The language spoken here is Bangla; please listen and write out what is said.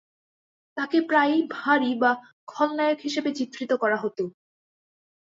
তাকে প্রায়ই "ভারী" বা খলনায়ক হিসেবে চিত্রিত করা হতো।